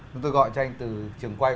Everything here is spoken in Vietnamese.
chúng tôi gọi cho anh từ trường quay